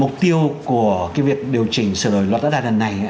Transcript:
mục tiêu của cái việc điều chỉnh sự đổi loại tất đa đần này